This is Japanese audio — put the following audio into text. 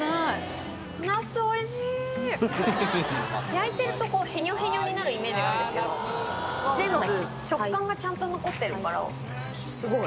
焼いてるとヘニョヘニョになるイメージがあるんですけど全部食感がちゃんと残ってるからすごい。